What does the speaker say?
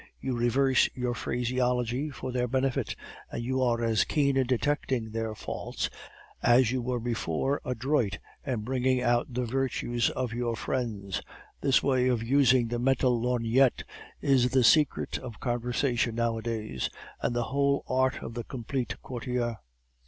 You reverse your phraseology for their benefit, and you are as keen in detecting their faults as you were before adroit in bringing out the virtues of your friends. This way of using the mental lorgnette is the secret of conversation nowadays, and the whole art of the complete courtier.